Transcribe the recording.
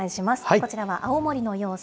こちらは青森の様子。